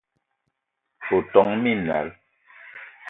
O ton minal